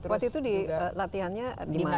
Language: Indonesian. waktu itu latihannya di mana